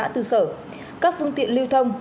tư sở các phương tiện lưu thông